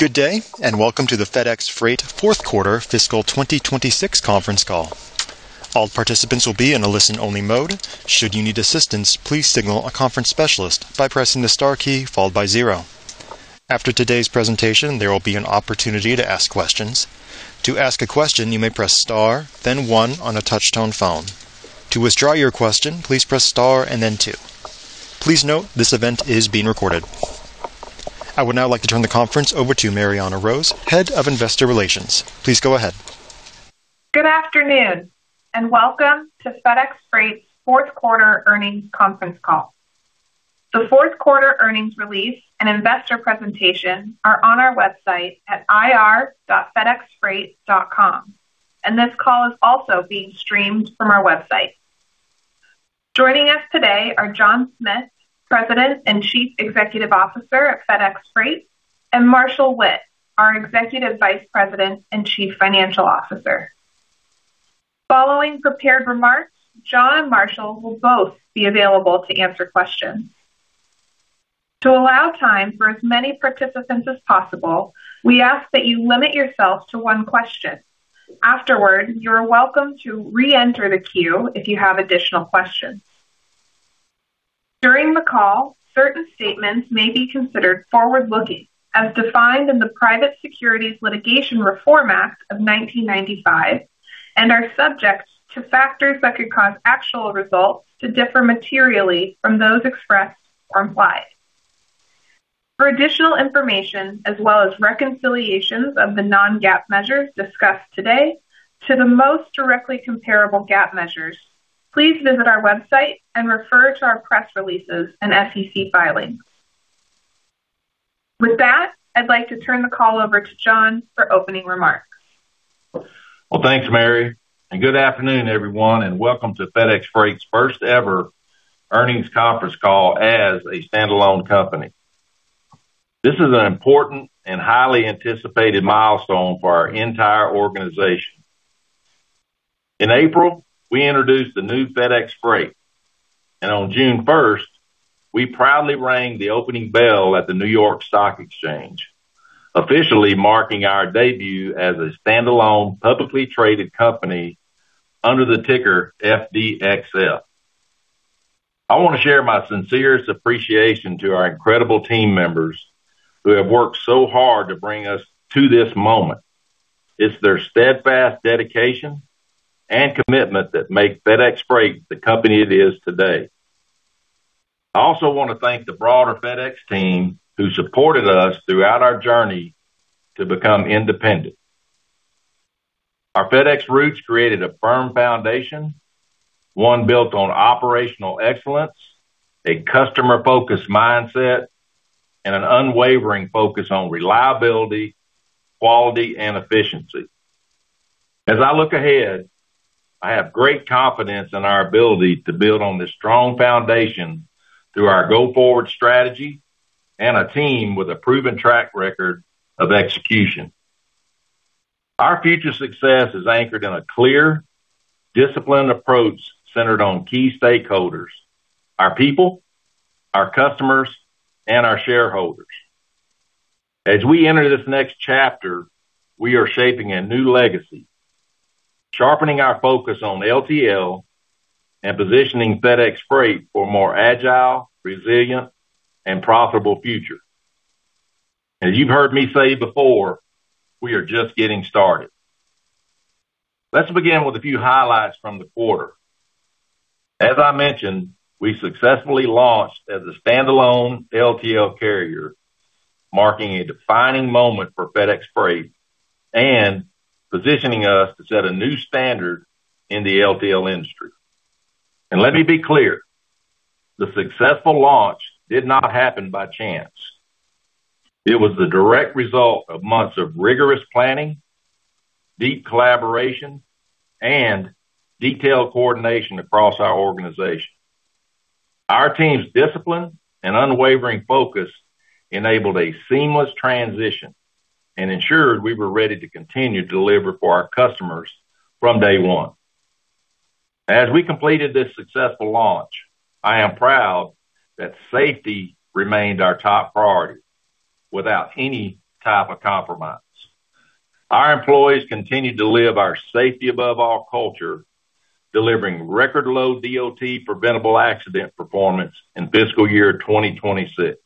Good day, welcome to the FedEx Freight Fourth Quarter Fiscal 2026 conference call. All participants will be in a listen-only mode. Should you need assistance, please signal a conference specialist by pressing the star key followed by zero. After today's presentation, there will be an opportunity to ask questions. To ask a question, you may press star, then one on a touch-tone phone. To withdraw your question, please press star and then two. Please note, this event is being recorded. I would now like to turn the conference over to Marianna Rose, Head of Investor Relations. Please go ahead. Good afternoon, welcome to FedEx Freight's fourth quarter earnings conference call. The fourth quarter earnings release and investor presentation are on our website at ir.fedexfreight.com. This call is also being streamed from our website. Joining us today are John Smith, President and Chief Executive Officer at FedEx Freight, and Marshall Witt, our Executive Vice President and Chief Financial Officer. Following prepared remarks, John and Marshall will both be available to answer questions. To allow time for as many participants as possible, we ask that you limit yourself to one question. Afterward, you're welcome to re-enter the queue if you have additional questions. During the call, certain statements may be considered forward-looking as defined in the Private Securities Litigation Reform Act of 1995 and are subject to factors that could cause actual results to differ materially from those expressed or implied. For additional information, as well as reconciliations of the non-GAAP measures discussed today to the most directly comparable GAAP measures, please visit our website and refer to our press releases and SEC filings. With that, I'd like to turn the call over to John for opening remarks. Well, thanks, Mary, good afternoon, everyone, and welcome to FedEx Freight's first-ever earnings conference call as a standalone company. This is an important and highly anticipated milestone for our entire organization. In April, we introduced the new FedEx Freight, on June 1st, we proudly rang the opening bell at the New York Stock Exchange, officially marking our debut as a standalone, publicly traded company under the ticker FDXF. I want to share my sincerest appreciation to our incredible team members who have worked so hard to bring us to this moment. It's their steadfast dedication and commitment that make FedEx Freight the company it is today. I also want to thank the broader FedEx team who supported us throughout our journey to become independent. Our FedEx roots created a firm foundation, one built on operational excellence, a customer-focused mindset, and an unwavering focus on reliability, quality, and efficiency. As I look ahead, I have great confidence in our ability to build on this strong foundation through our go-forward strategy and a team with a proven track record of execution. Our future success is anchored in a clear, disciplined approach centered on key stakeholders: our people, our customers, and our shareholders. As we enter this next chapter, we are shaping a new legacy, sharpening our focus on LTL, and positioning FedEx Freight for a more agile, resilient, and profitable future. As you've heard me say before, we are just getting started. Let's begin with a few highlights from the quarter. As I mentioned, we successfully launched as a standalone LTL carrier, marking a defining moment for FedEx Freight and positioning us to set a new standard in the LTL industry. Let me be clear, the successful launch did not happen by chance. It was the direct result of months of rigorous planning, deep collaboration, and detailed coordination across our organization. Our team's discipline and unwavering focus enabled a seamless transition and ensured we were ready to continue to deliver for our customers from day one. As we completed this successful launch, I am proud that safety remained our top priority without any type of compromise. Our employees continued to live our safety above all culture, delivering record-low DOT preventable accident performance in fiscal year 2026.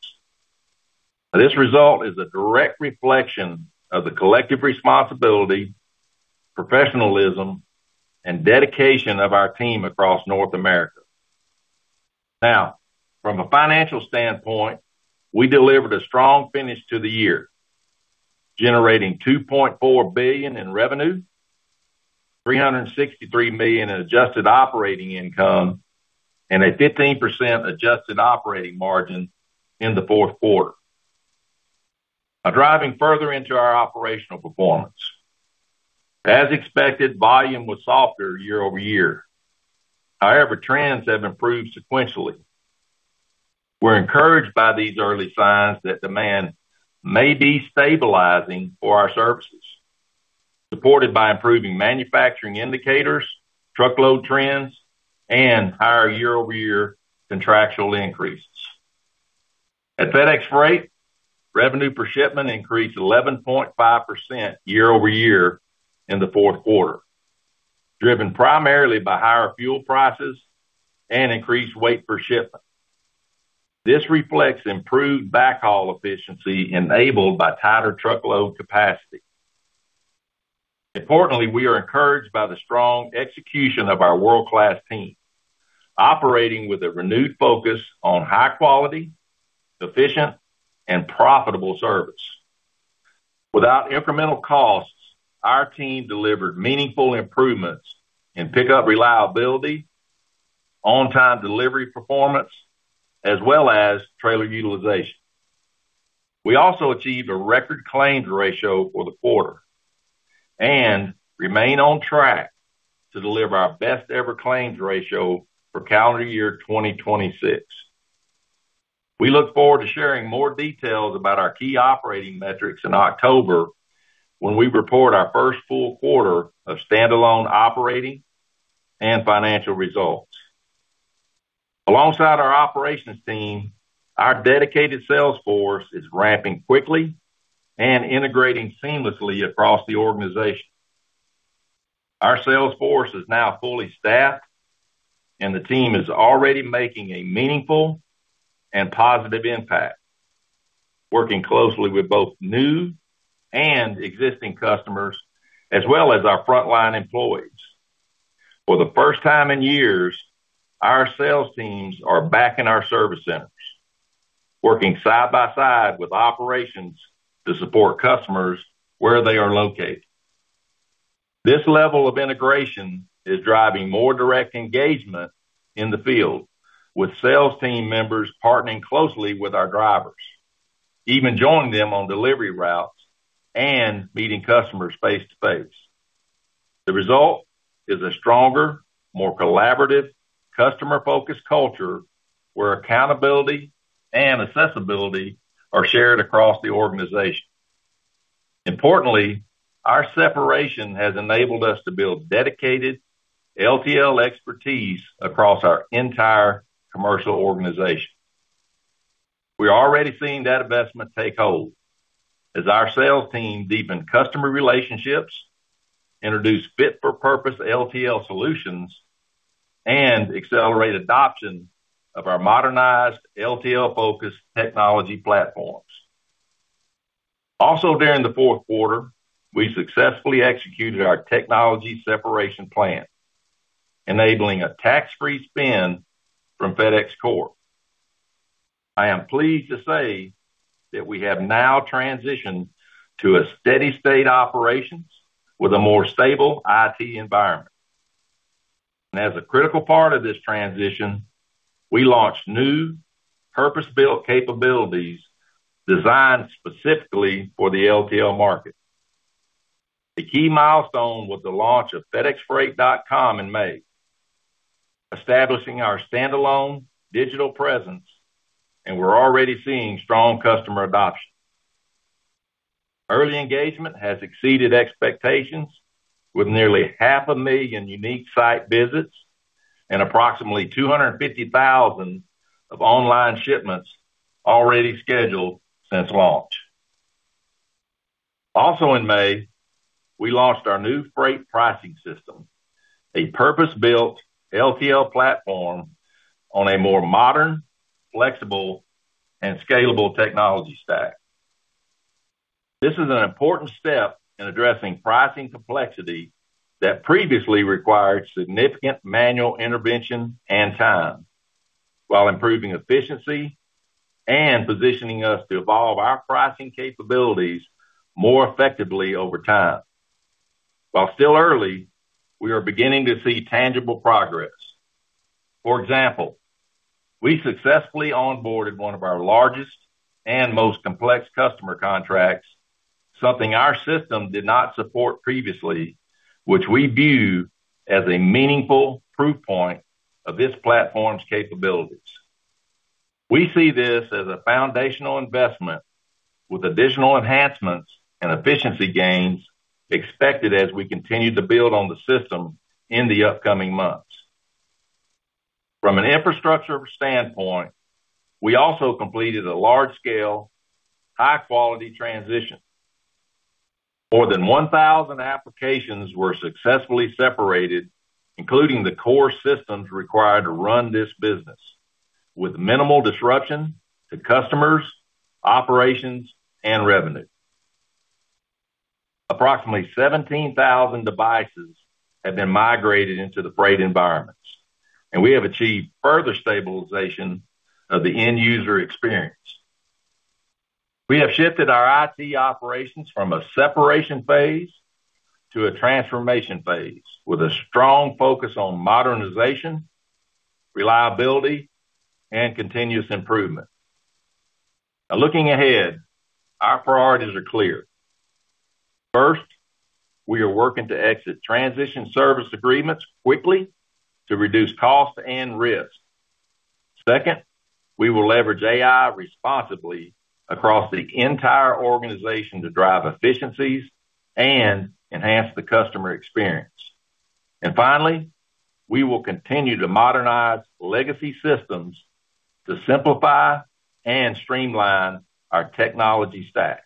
This result is a direct reflection of the collective responsibility, professionalism, and dedication of our team across North America. From a financial standpoint, we delivered a strong finish to the year, generating $2.4 billion in revenue, $363 million in adjusted operating income, and a 15% adjusted operating margin in the fourth quarter. Driving further into our operational performance. As expected, volume was softer year-over-year. However, trends have improved sequentially. We're encouraged by these early signs that demand may be stabilizing for our services Supported by improving manufacturing indicators, truckload trends, and higher year-over-year contractual increases. At FedEx Freight, revenue per shipment increased 11.5% year-over-year in the fourth quarter, driven primarily by higher fuel prices and increased weight per shipment. This reflects improved backhaul efficiency enabled by tighter truckload capacity. Importantly, we are encouraged by the strong execution of our world-class team, operating with a renewed focus on high quality, efficient, and profitable service. Without incremental costs, our team delivered meaningful improvements in pickup reliability, on-time delivery performance, as well as trailer utilization. We also achieved a record claims ratio for the quarter and remain on track to deliver our best ever claims ratio for calendar year 2026. We look forward to sharing more details about our key operating metrics in October when we report our first full quarter of standalone operating and financial results. Alongside our operations team, our dedicated sales force is ramping quickly and integrating seamlessly across the organization. Our sales force is now fully staffed and the team is already making a meaningful and positive impact, working closely with both new and existing customers, as well as our frontline employees. For the first time in years, our sales teams are back in our service centers, working side by side with operations to support customers where they are located. This level of integration is driving more direct engagement in the field with sales team members partnering closely with our drivers, even joining them on delivery routes and meeting customers face-to-face. The result is a stronger, more collaborative, customer-focused culture where accountability and accessibility are shared across the organization. Importantly, our separation has enabled us to build dedicated LTL expertise across our entire commercial organization. We're already seeing that investment take hold as our sales team deepen customer relationships, introduce fit-for-purpose LTL solutions, and accelerate adoption of our modernized LTL-focused technology platforms. Also, during the fourth quarter, we successfully executed our technology separation plan, enabling a tax-free spin from FedEx Corp. I am pleased to say that we have now transitioned to a steady state operations with a more stable IT environment. As a critical part of this transition, we launched new purpose-built capabilities designed specifically for the LTL market. The key milestone was the launch of fedexfreight.com in May, establishing our standalone digital presence, and we're already seeing strong customer adoption. Early engagement has exceeded expectations with nearly half a million unique site visits and approximately 250,000 of online shipments already scheduled since launch. In May, we launched our new freight pricing system, a purpose-built LTL platform on a more modern, flexible, and scalable technology stack. This is an important step in addressing pricing complexity that previously required significant manual intervention and time while improving efficiency and positioning us to evolve our pricing capabilities more effectively over time. While still early, we are beginning to see tangible progress. For example, we successfully onboarded one of our largest and most complex customer contracts, something our system did not support previously, which we view as a meaningful proof point of this platform's capabilities. We see this as a foundational investment with additional enhancements and efficiency gains expected as we continue to build on the system in the upcoming months. From an infrastructure standpoint, we also completed a large-scale, high-quality transition. More than 1,000 applications were successfully separated, including the core systems required to run this business with minimal disruption to customers, operations, and revenue. Approximately 17,000 devices have been migrated into the Freight environments, and we have achieved further stabilization of the end user experience. We have shifted our IT operations from a separation phase to a transformation phase with a strong focus on modernization, reliability, and continuous improvement. Looking ahead, our priorities are clear. First, we are working to exit Transition Service Agreements quickly to reduce cost and risk. Second, we will leverage AI responsibly across the entire organization to drive efficiencies and enhance the customer experience. Finally, we will continue to modernize legacy systems to simplify and streamline our technology stack.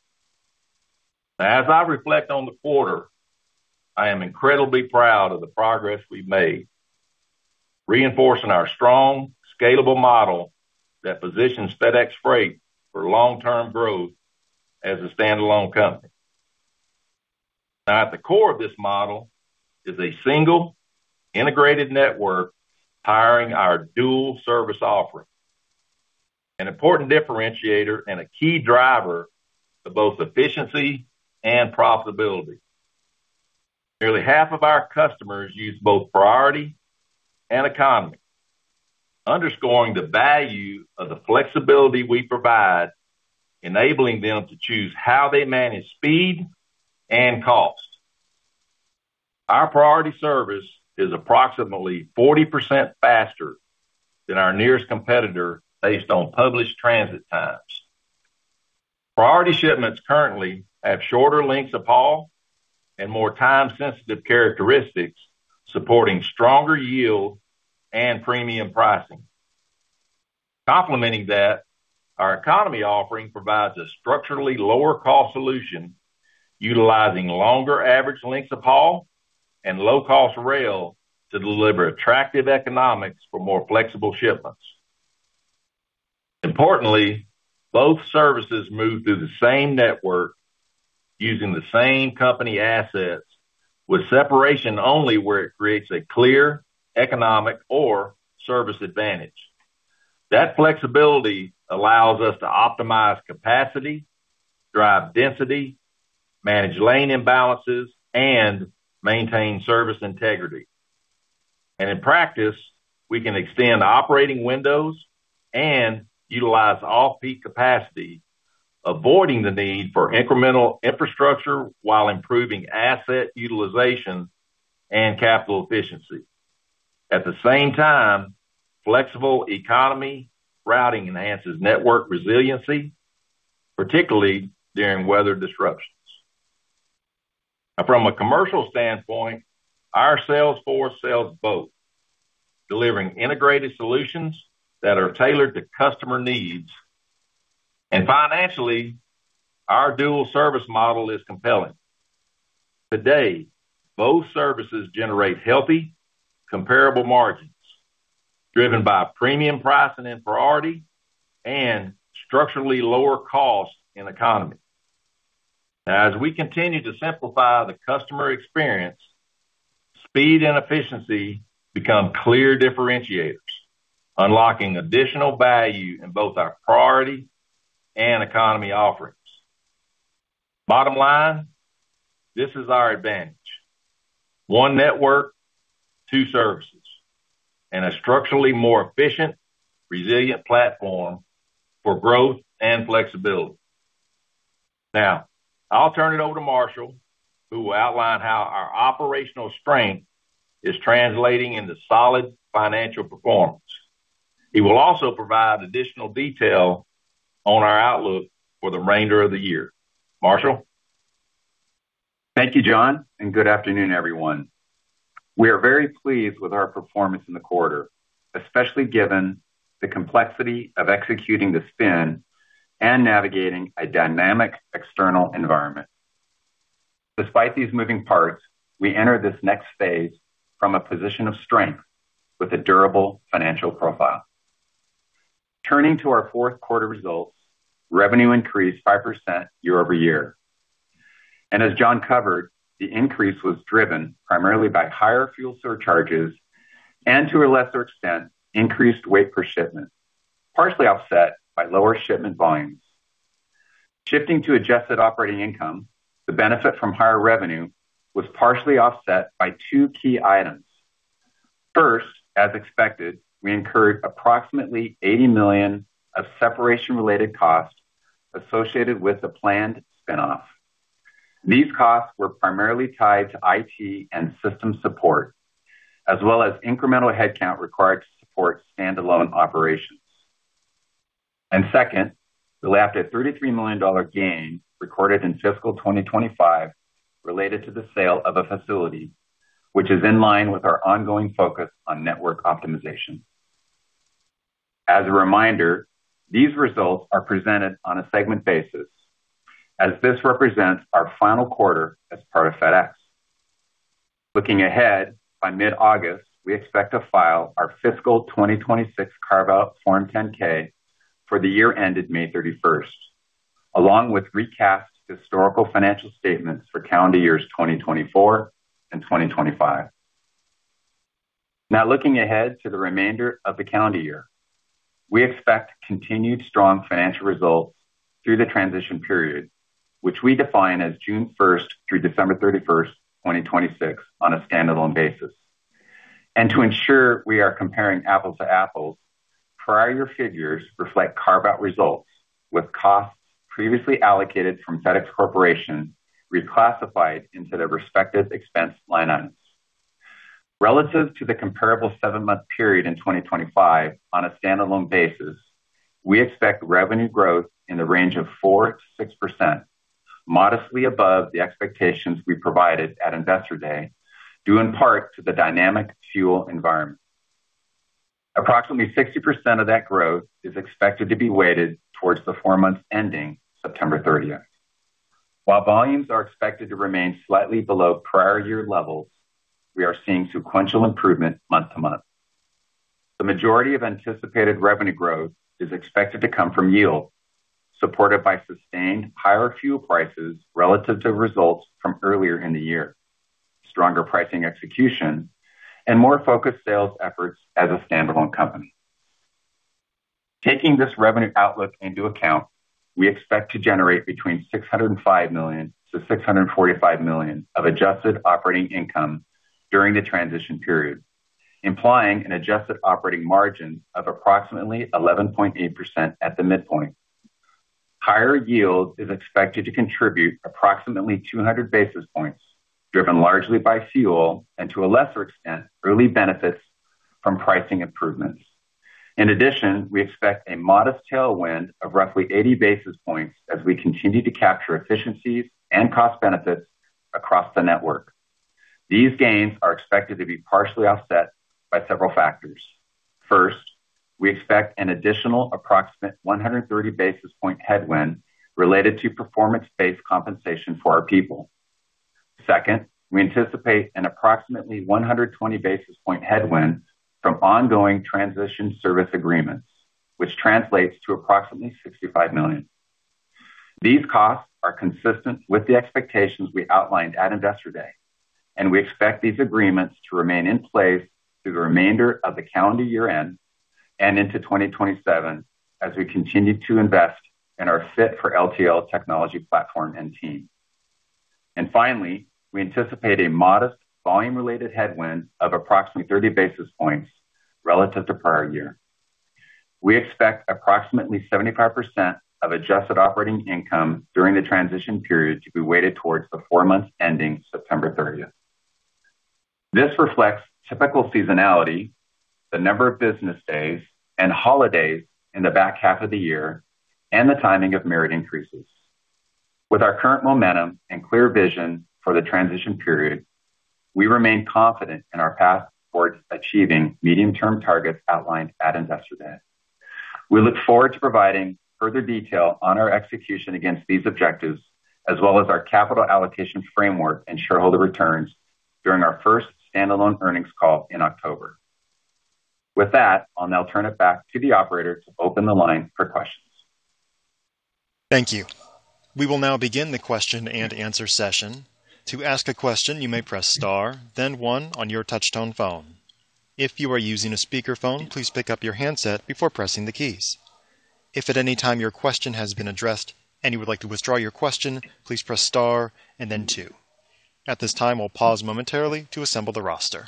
As I reflect on the quarter, I am incredibly proud of the progress we've made, reinforcing our strong, scalable model that positions FedEx Freight for long-term growth as a standalone company. At the core of this model is a single integrated network powering our dual service offering, an important differentiator and a key driver of both efficiency and profitability. Nearly half of our customers use both priority and economy, underscoring the value of the flexibility we provide, enabling them to choose how they manage speed and cost. Our priority service is approximately 40% faster than our nearest competitor based on published transit times. Priority shipments currently have shorter lengths of haul and more time-sensitive characteristics, supporting stronger yield and premium pricing. Complementing that, our economy offering provides a structurally lower cost solution, utilizing longer average lengths of haul and low-cost rail to deliver attractive economics for more flexible shipments. Importantly, both services move through the same network using the same company assets with separation only where it creates a clear economic or service advantage. That flexibility allows us to optimize capacity, drive density, manage lane imbalances, and maintain service integrity. In practice, we can extend operating windows and utilize off-peak capacity, avoiding the need for incremental infrastructure while improving asset utilization and capital efficiency. At the same time, flexible economy routing enhances network resiliency, particularly during weather disruptions. From a commercial standpoint, our sales force sells both, delivering integrated solutions that are tailored to customer needs. Financially, our dual service model is compelling. Today, both services generate healthy comparable margins, driven by premium pricing in priority and structurally lower costs in economy. As we continue to simplify the customer experience, speed and efficiency become clear differentiators, unlocking additional value in both our priority and economy offerings. Bottom line, this is our advantage. One network, two services, and a structurally more efficient, resilient platform for growth and flexibility. I'll turn it over to Marshall, who will outline how our operational strength is translating into solid financial performance. He will also provide additional detail on our outlook for the remainder of the year. Marshall? Thank you, John, and good afternoon, everyone. We are very pleased with our performance in the quarter, especially given the complexity of executing the spin and navigating a dynamic external environment. Despite these moving parts, we enter this next phase from a position of strength with a durable financial profile. Turning to our fourth quarter results, revenue increased 5% year-over-year. As John covered, the increase was driven primarily by higher fuel surcharges and, to a lesser extent, increased weight per shipment, partially offset by lower shipment volumes. Shifting to adjusted operating income, the benefit from higher revenue was partially offset by two key items. First, as expected, we incurred approximately $80 million of separation-related costs associated with the planned spinoff. These costs were primarily tied to IT and system support, as well as incremental headcount required to support standalone operations. Second, we lapped a $33 million gain recorded in fiscal 2025 related to the sale of a facility, which is in line with our ongoing focus on network optimization. As a reminder, these results are presented on a segment basis as this represents our final quarter as part of FedEx. Looking ahead, by mid-August, we expect to file our fiscal 2026 carve-out Form 10-K for the year ended May 31st, along with recast historical financial statements for calendar years 2024 and 2025. Looking ahead to the remainder of the calendar year, we expect continued strong financial results through the transition period, which we define as June 1st through December 31st, 2026, on a standalone basis. To ensure we are comparing apples to apples, prior year figures reflect carve-out results with costs previously allocated from FedEx Corporation reclassified into their respective expense line items. Relative to the comparable seven-month period in 2025, on a standalone basis, we expect revenue growth in the range of 4%-6%, modestly above the expectations we provided at Investor Day, due in part to the dynamic fuel environment. Approximately 60% of that growth is expected to be weighted towards the four months ending September 30th. While volumes are expected to remain slightly below prior year levels, we are seeing sequential improvement month-to-month. The majority of anticipated revenue growth is expected to come from yield, supported by sustained higher fuel prices relative to results from earlier in the year, stronger pricing execution, and more focused sales efforts as a standalone company. Taking this revenue outlook into account, we expect to generate between $605 million-$645 million of adjusted operating income during the transition period, implying an adjusted operating margin of approximately 11.8% at the midpoint. Higher yield is expected to contribute approximately 200 basis points, driven largely by fuel, and to a lesser extent, early benefits from pricing improvements. We expect a modest tailwind of roughly 80 basis points as we continue to capture efficiencies and cost benefits across the network. These gains are expected to be partially offset by several factors. First, we expect an additional approximate 130 basis point headwind related to performance-based compensation for our people. Second, we anticipate an approximately 120 basis point headwind from ongoing Transition Service Agreements, which translates to approximately $65 million. These costs are consistent with the expectations we outlined at Investor Day. We expect these agreements to remain in place through the remainder of the calendar year-end and into 2027 as we continue to invest in our fit for LTL technology platform and team. Finally, we anticipate a modest volume-related headwind of approximately 30 basis points relative to prior year. We expect approximately 75% of adjusted operating income during the transition period to be weighted towards the four months ending September 30th. This reflects typical seasonality, the number of business days and holidays in the back half of the year, and the timing of merit increases. With our current momentum and clear vision for the transition period, we remain confident in our path towards achieving medium-term targets outlined at Investor Day. We look forward to providing further detail on our execution against these objectives, as well as our capital allocation framework and shareholder returns during our first standalone earnings call in October. With that, I'll now turn it back to the operator to open the line for questions. Thank you. We will now begin the question-and-answer session. To ask a question, you may press star then one on your touch-tone phone. If you are using a speakerphone, please pick up your handset before pressing the keys. If at any time your question has been addressed and you would like to withdraw your question, please press star and then two. At this time, we will pause momentarily to assemble the roster.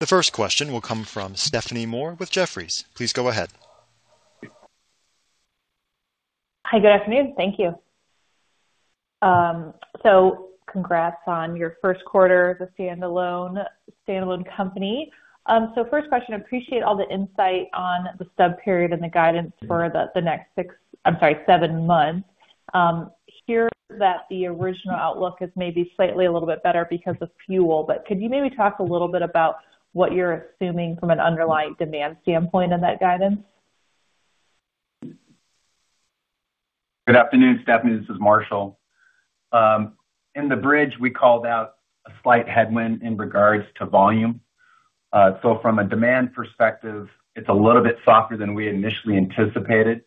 The first question will come from Stephanie Moore with Jefferies. Please go ahead. Hi. Good afternoon. Thank you. Congrats on your first quarter as a standalone company. First question, appreciate all the insight on the sub-period and the guidance for the next six, I'm sorry, seven months. Hear that the original outlook is maybe slightly a little bit better because of fuel. Could you maybe talk a little bit about what you're assuming from an underlying demand standpoint on that guidance? Good afternoon, Stephanie, this is Marshall. In the bridge, we called out a slight headwind in regards to volume. From a demand perspective, it's a little bit softer than we initially anticipated.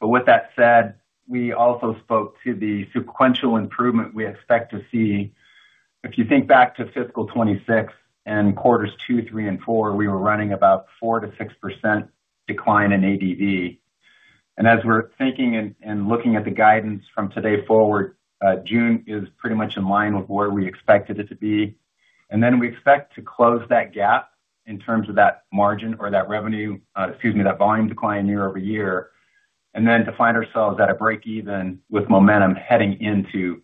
With that said, we also spoke to the sequential improvement we expect to see. If you think back to FY 2026 and quarters two, three, and four, we were running about 4%-6% decline in ADV. As we're thinking and looking at the guidance from today forward, June is pretty much in line with where we expected it to be. We expect to close that gap in terms of that margin or that revenue, excuse me, that volume decline year-over-year, to find ourselves at a break even with momentum heading into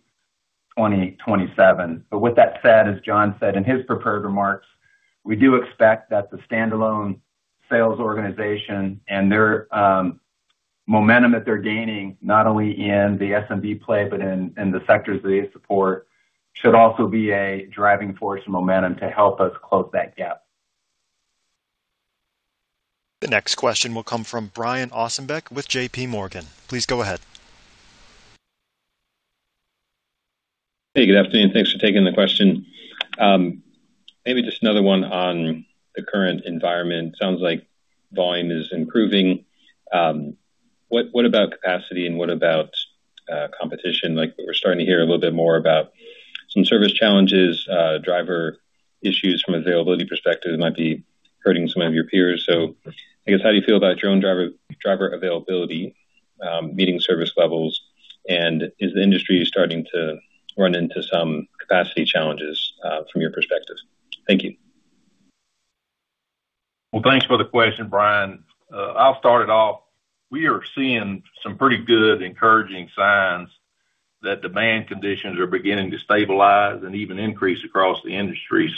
2027. With that said, as John said in his prepared remarks, we do expect that the standalone sales organization and their momentum that they're gaining, not only in the SMB play but in the sectors that they support, should also be a driving force and momentum to help us close that gap. The next question will come from Brian Ossenbeck with J.P. Morgan. Please go ahead. Hey, good afternoon, and thanks for taking the question. Maybe just another one on the current environment. Sounds like volume is improving. What about capacity and what about competition? We're starting to hear a little bit more about some service challenges, driver issues from availability perspective might be hurting some of your peers. I guess how do you feel about your own driver availability, meeting service levels, and is the industry starting to run into some capacity challenges from your perspective? Thank you. Well, thanks for the question, Brian. I'll start it off. We are seeing some pretty good encouraging signs that demand conditions are beginning to stabilize and even increase across the industry.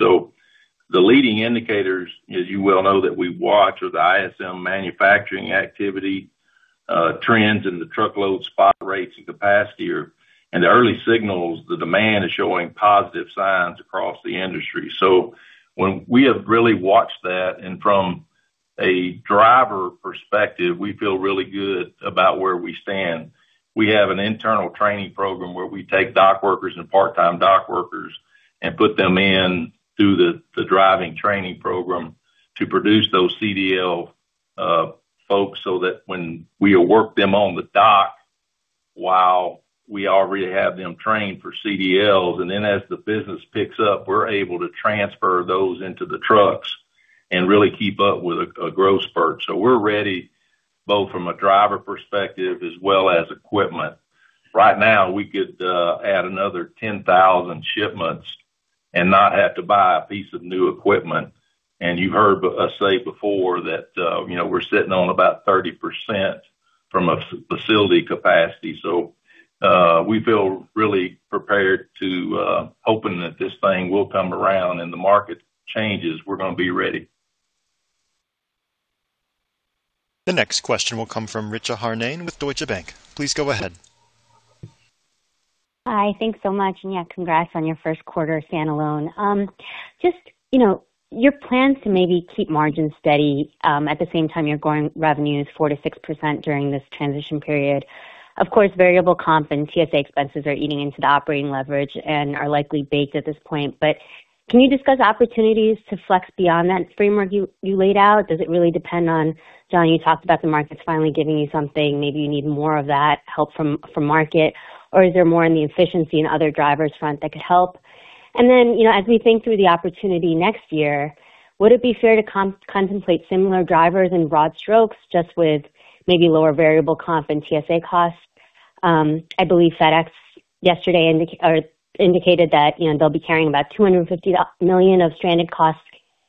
The leading indicators, as you well know, that we watch are the ISM manufacturing activity, trends in the truckload spot rates and capacity, and the early signals, the demand is showing positive signs across the industry. When we have really watched that and from a driver perspective, we feel really good about where we stand. We have an internal training program where we take dock workers and part-time dock workers and put them in through the driving training program to produce those CDL folks so that when we work them on the dock while we already have them trained for CDLs. As the business picks up, we're able to transfer those into the trucks and really keep up with a growth spurt. We're ready both from a driver perspective as well as equipment. Right now, we could add another 10,000 shipments and not have to buy a piece of new equipment. You heard us say before that we're sitting on about 30% from a facility capacity. We feel really prepared to hoping that this thing will come around and the market changes, we're going to be ready. The next question will come from Richa Harnain with Deutsche Bank. Please go ahead. Hi, thanks so much. Yeah, congrats on your first quarter standalone. Just your plans to maybe keep margins steady, at the same time, your growing revenue is 4%-6% during this transition period. Of course, variable comp and TSA expenses are eating into the operating leverage and are likely baked at this point. Can you discuss opportunities to flex beyond that framework you laid out? Does it really depend on, John, you talked about the markets finally giving you something. Maybe you need more of that help from market, or is there more in the efficiency and other drivers front that could help? As we think through the opportunity next year, would it be fair to contemplate similar drivers in broad strokes just with maybe lower variable comp and TSA costs? I believe FedEx yesterday indicated that they'll be carrying about $250 million of stranded costs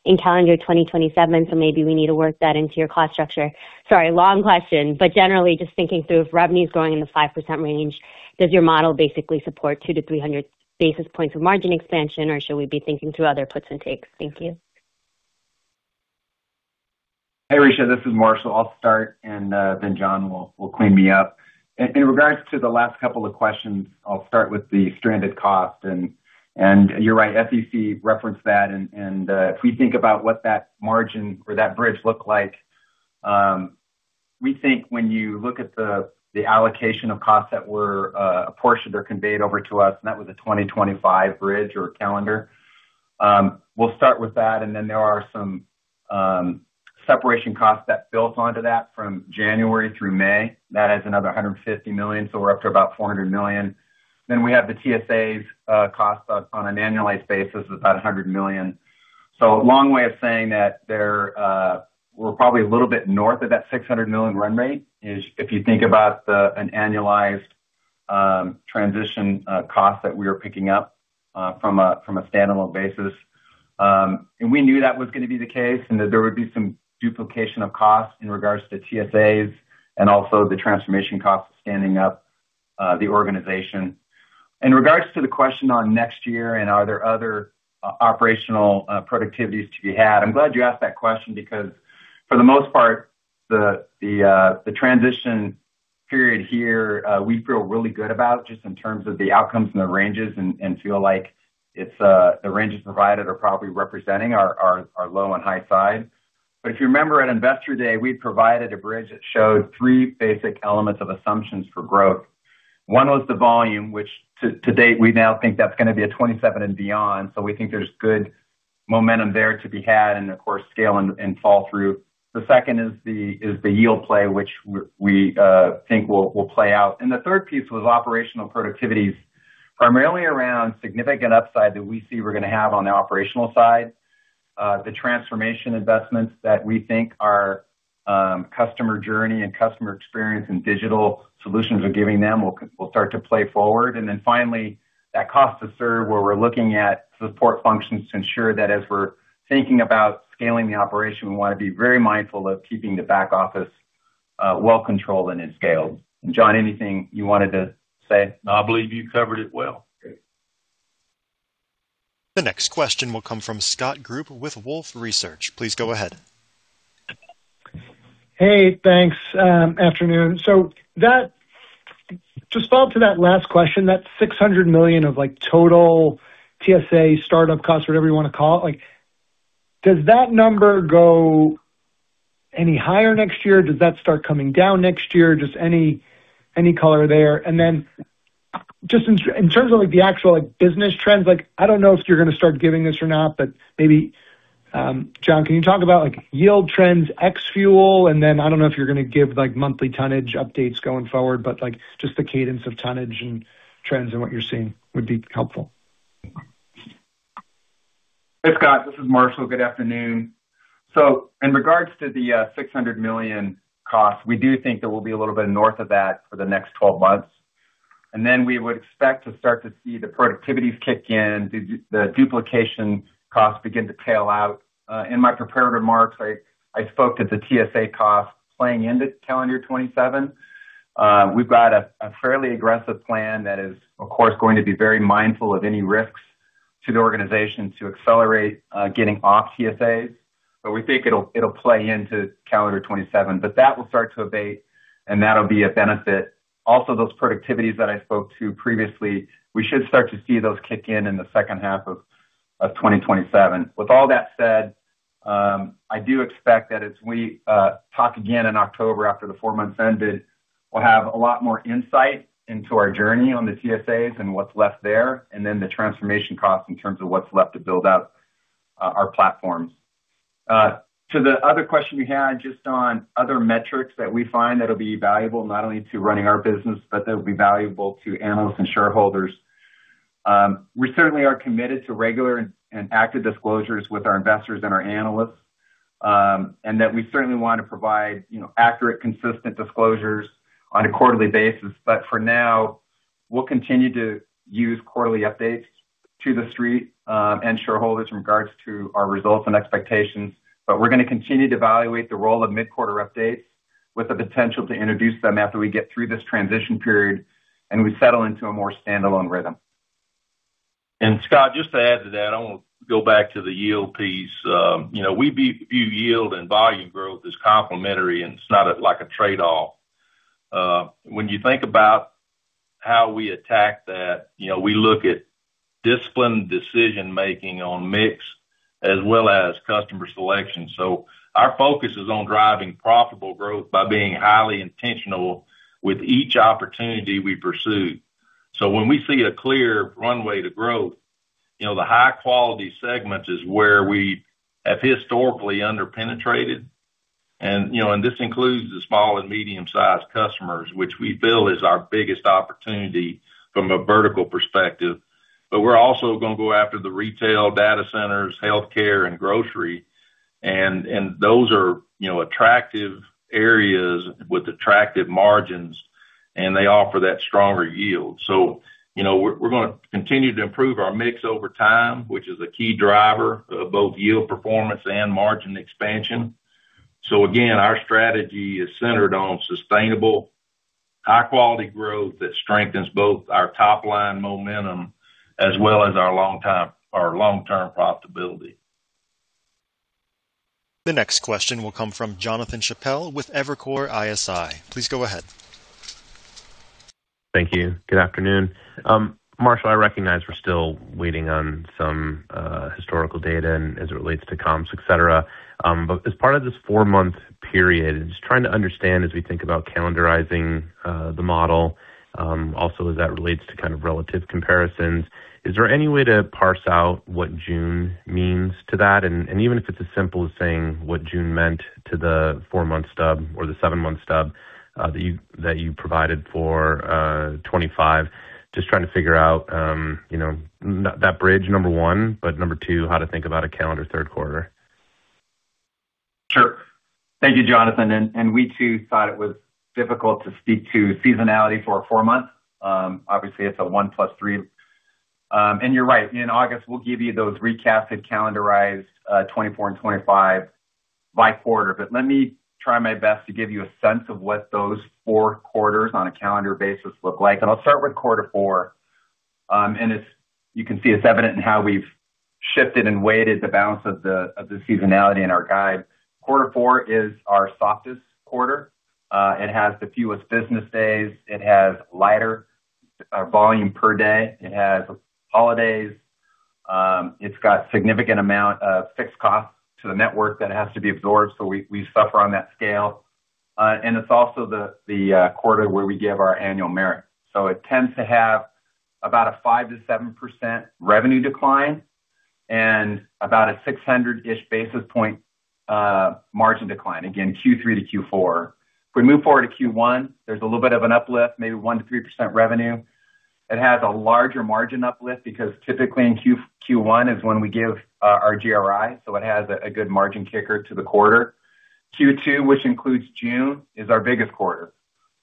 in calendar 2027. Maybe we need to work that into your cost structure. Sorry, long question. Generally just thinking through if revenue is growing in the 5% range, does your model basically support 200 to 300 basis points of margin expansion, or should we be thinking through other puts and takes? Thank you. Hey, Richa. This is Marshall. I'll start. John will clean me up. In regards to the last couple of questions, I'll start with the stranded cost. You're right, FCC referenced that. If we think about what that margin or that bridge looked like, we think when you look at the allocation of costs that were a portion that are conveyed over to us, that was a 2025 bridge or calendar. We'll start with that. There are some separation costs that built onto that from January through May. That adds another $150 million. We're up to about $400 million. We have the TSAs cost on an annualized basis of about $100 million. Long way of saying that we're probably a little bit north of that $600 million run rate is if you think about an annualized transition cost that we are picking up from a standalone basis. We knew that was going to be the case and that there would be some duplication of costs in regards to TSAs and also the transformation cost of standing up the organization. In regards to the question on next year, are there other operational productivities to be had? I'm glad you asked that question because for the most part, the transition period here, we feel really good about just in terms of the outcomes and the ranges and feel like the ranges provided are probably representing our low and high side. If you remember at Investor Day, we provided a bridge that showed three basic elements of assumptions for growth. One was the volume, which to date, we now think that's going to be a 2027 and beyond. We think there's good momentum there to be had and of course, scale and fall through. The second is the yield play, which we think will play out. The third piece was operational productivities, primarily around significant upside that we see we're going to have on the operational side. The transformation investments that we think our customer journey and customer experience and digital solutions are giving them will start to play forward. Finally, that cost to serve, where we're looking at support functions to ensure that as we're thinking about scaling the operation, we want to be very mindful of keeping the back office well controlled and in scale. John, anything you wanted to say? I believe you covered it well. Great. The next question will come from Scott Group with Wolfe Research. Please go ahead. Hey, thanks. Afternoon. Just follow up to that last question, that $600 million of total TSA startup cost or whatever you want to call it, does that number go any higher next year? Does that start coming down next year? Just any color there? Just in terms of the actual business trends, I don't know if you're going to start giving this or not, but maybe, John, can you talk about yield trends ex fuel, and then I don't know if you're going to give monthly tonnage updates going forward, but just the cadence of tonnage and trends and what you're seeing would be helpful. Scott, this is Marshall. Good afternoon. In regards to the $600 million cost, we do think that we'll be a little bit north of that for the next 12 months. We would expect to start to see the productivities kick in, the duplication costs begin to tail out. In my prepared remarks, I spoke to the TSA cost playing into calendar 2027. We've got a fairly aggressive plan that is, of course, going to be very mindful of any risks to the organization to accelerate getting off TSAs. We think it'll play into calendar 2027. That will start to abate, and that'll be a benefit. Also, those productivities that I spoke to previously, we should start to see those kick in the second half of 2027. With all that said, I do expect that as we talk again in October, after the four months ended, we'll have a lot more insight into our journey on the TSAs and what's left there, and then the transformation costs in terms of what's left to build out our platforms. To the other question you had, just on other metrics that we find that'll be valuable, not only to running our business, but that will be valuable to analysts and shareholders. We certainly are committed to regular and active disclosures with our investors and our analysts, and that we certainly want to provide accurate, consistent disclosures on a quarterly basis. For now, we'll continue to use quarterly updates to the Street, and shareholders in regards to our results and expectations. We're going to continue to evaluate the role of mid-quarter updates with the potential to introduce them after we get through this transition period and we settle into a more standalone rhythm. Scott, just to add to that, I want to go back to the yield piece. We view yield and volume growth as complementary, and it's not like a trade-off. When you think about how we attack that, we look at disciplined decision-making on mix as well as customer selection. Our focus is on driving profitable growth by being highly intentional with each opportunity we pursue. When we see a clear runway to growth, the high-quality segments is where we have historically under-penetrated. This includes the small and medium-sized customers, which we feel is our biggest opportunity from a vertical perspective. We're also going to go after the retail data centers, healthcare, and grocery. Those are attractive areas with attractive margins, and they offer that stronger yield. We're going to continue to improve our mix over time, which is a key driver of both yield performance and margin expansion. Again, our strategy is centered on sustainable, high-quality growth that strengthens both our top-line momentum as well as our long-term profitability. The next question will come from Jonathan Chappell with Evercore ISI. Please go ahead. Thank you. Good afternoon. Marshall, I recognize we're still waiting on some historical data as it relates to comps, et cetera. As part of this four-month period, just trying to understand as we think about calendarizing the model, also as that relates to kind of relative comparisons, is there any way to parse out what June means to that? Even if it's as simple as saying what June meant to the four-month stub or the seven-month stub that you provided for 2025. Just trying to figure out that bridge, number one. Number two, how to think about a calendar third quarter. Sure. Thank you, Jonathan. We, too, thought it was difficult to speak to seasonality for a four-month. Obviously, it's a one plus three. You're right, in August, we'll give you those recasted calendarized 2024 and 2025 by quarter. Let me try my best to give you a sense of what those four quarters on a calendar basis look like. I'll start with quarter four. You can see it's evident in how we've shifted and weighted the balance of the seasonality in our guide. Quarter four is our softest quarter. It has the fewest business days. It has lighter volume per day. It has holidays. It's got significant amount of fixed costs to the network that has to be absorbed, so we suffer on that scale. It's also the quarter where we give our annual merit. It tends to have about a 5%-7% revenue decline and about a 600-ish basis point margin decline. Again, Q3 to Q4. If we move forward to Q1, there is a little bit of an uplift, maybe 1%-3% revenue. It has a larger margin uplift because typically in Q1 is when we give our GRI, it has a good margin kicker to the quarter. Q2, which includes June, is our biggest quarter.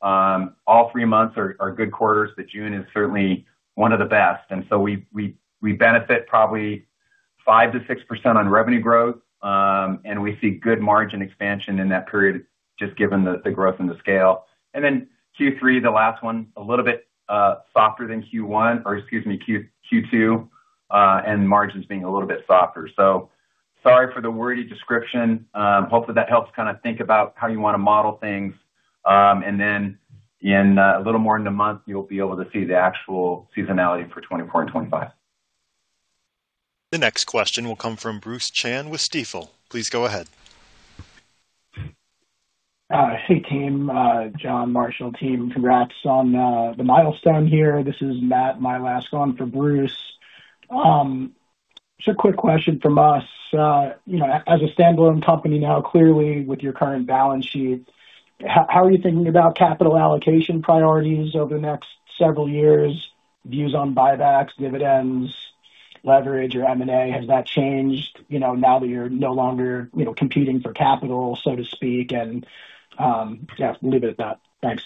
All three months are good quarters, but June is certainly one of the best. We benefit probably 5%-6% on revenue growth. We see good margin expansion in that period, just given the growth and the scale. Q3, the last one, a little bit softer than Q1, or excuse me, Q2, and margins being a little bit softer. Sorry for the wordy description. Hopefully, that helps kind of think about how you want to model things. In a little more than a month, you will be able to see the actual seasonality for 2024 and 2025. The next question will come from Bruce Chan with Stifel. Please go ahead. Hey, team. John, Marshall, team. Congrats on the milestone here. This is Matt Milask for Bruce. Just a quick question from us. As a standalone company now, clearly with your current balance sheet, how are you thinking about capital allocation priorities over the next several years, views on buybacks, dividends? Leverage or M&A, has that changed, now that you're no longer competing for capital, so to speak? Yeah, leave it at that. Thanks.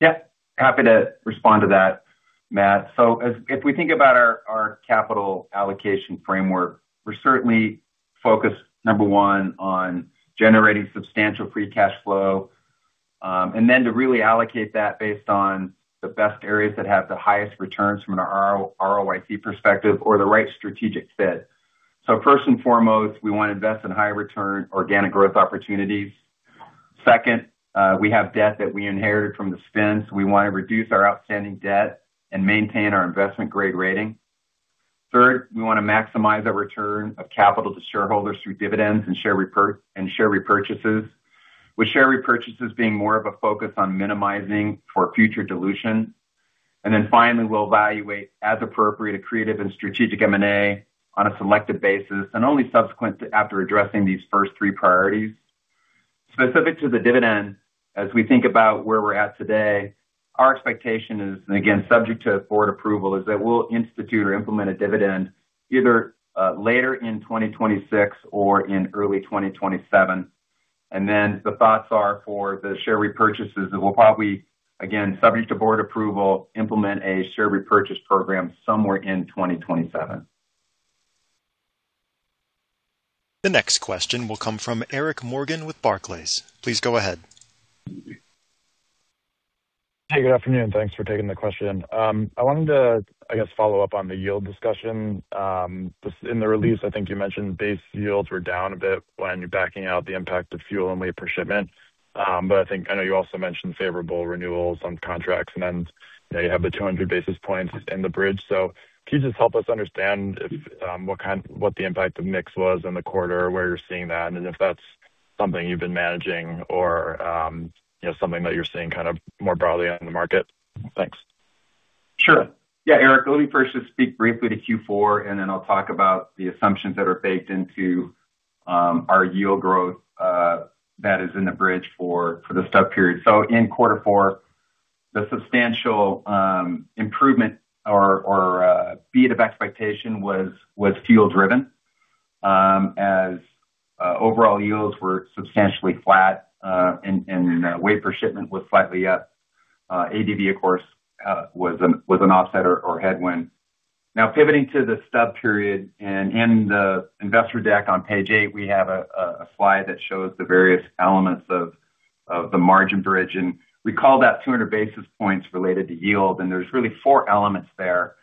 Yeah, happy to respond to that, Matt. If we think about our capital allocation framework, we're certainly focused, number one, on generating substantial free cash flow, and then to really allocate that based on the best areas that have the highest returns from an ROIC perspective or the right strategic fit. First and foremost, we want to invest in high return organic growth opportunities. Second, we have debt that we inherited from the spin, so we want to reduce our outstanding debt and maintain our investment-grade rating. Third, we want to maximize our return of capital to shareholders through dividends and share repurchases, with share repurchases being more of a focus on minimizing for future dilution. Finally, we'll evaluate, as appropriate, a creative and strategic M&A on a selective basis, and only subsequent after addressing these first three priorities. Specific to the dividend, as we think about where we're at today, our expectation is, and again, subject to board approval, is that we'll institute or implement a dividend either later in 2026 or in early 2027. The thoughts are for the share repurchases, that we'll probably, again, subject to board approval, implement a share repurchase program somewhere in 2027. The next question will come from Eric Morgan with Barclays. Please go ahead. Hey, good afternoon, and thanks for taking the question. I wanted to, follow up on the yield discussion. In the release, I think you mentioned base yields were down a bit when backing out the impact of fuel and weight per shipment. I think I know you also mentioned favorable renewals on contracts, and then you have the 200 basis points in the bridge. Can you just help us understand what the impact of mix was in the quarter, where you're seeing that, and if that's something you've been managing or something that you're seeing more broadly out in the market? Thanks. Sure. Yeah, Eric, let me first just speak briefly to Q4, and then I'll talk about the assumptions that are baked into our yield growth that is in the bridge for the stub period. In quarter four, the substantial improvement or beat of expectation was fuel driven, as overall yields were substantially flat, and weight per shipment was slightly up. ADV, of course, was an offset or headwind. Now pivoting to the stub period and in the investor deck on page eight, we have a slide that shows the various elements of the margin bridge, and we call that 200 basis points related to yield. There's really four elements there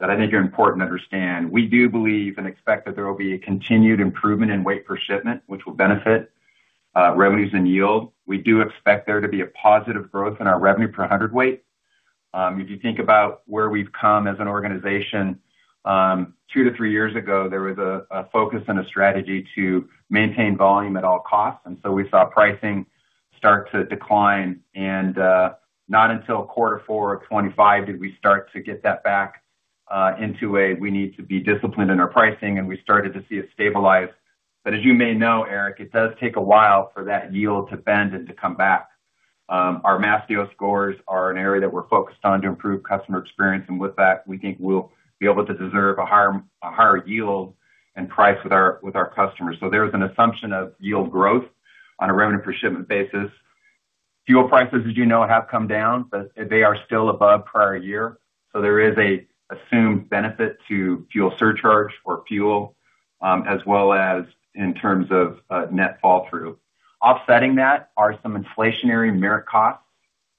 that I think are important to understand. We do believe and expect that there will be a continued improvement in weight per shipment, which will benefit revenues and yield. We do expect there to be a positive growth in our revenue per 100 weight. If you think about where we've come as an organization, two to three years ago, there was a focus and a strategy to maintain volume at all costs, we saw pricing start to decline. Not until quarter four of 2025 did we start to get that back into a, "We need to be disciplined in our pricing," and we started to see it stabilize. As you may know, Eric, it does take a while for that yield to bend and to come back. Our Mastio scores are an area that we're focused on to improve customer experience. With that, we think we'll be able to deserve a higher yield and price with our customers. There is an assumption of yield growth on a revenue per shipment basis. Fuel prices, as you know, have come down, they are still above prior year, there is a assumed benefit to fuel surcharge or fuel, as well as in terms of net fall through. Offsetting that are some inflationary merit costs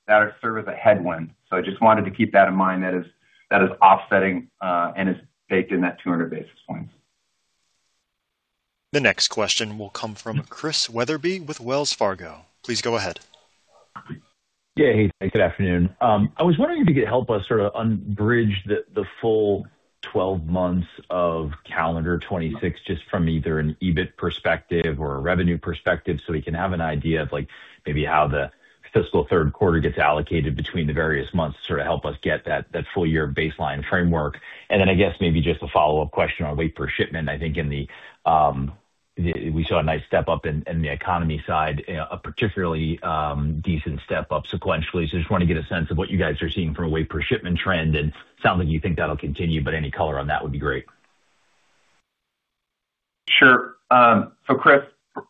that serve as a headwind. I just wanted to keep that in mind, that is offsetting and is baked in that 200 basis points. The next question will come from Chris Wetherbee with Wells Fargo. Please go ahead. Yeah. Hey, good afternoon. I was wondering if you could help us sort of unbridge the full 12 months of calendar 2026, just from either an EBIT perspective or a revenue perspective, so we can have an idea of maybe how the fiscal third quarter gets allocated between the various months to sort of help us get that full year baseline framework. Then I guess maybe just a follow-up question on weight per shipment. I think we saw a nice step up in the economy side, a particularly decent step up sequentially. Just want to get a sense of what you guys are seeing from a weight per shipment trend, and it sounds like you think that will continue, but any color on that would be great. Sure. Chris,